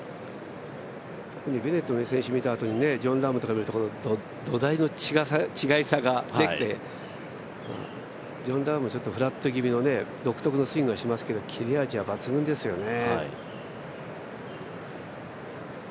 ベネットのスイング見たあとにジョン・ラームだと土台の違いさが出て、ジョン・ラームはちょっとフラット気味の独特なスイングをしますけれども、切れ味は抜群ですよね。